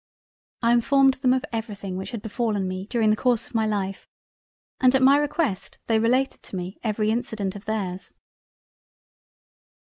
I informed them of every thing which had befallen me during the course of my life, and at my request they related to me every incident of theirs.